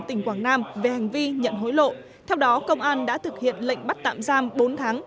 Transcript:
tỉnh quảng nam về hành vi nhận hối lộ theo đó công an đã thực hiện lệnh bắt tạm giam bốn tháng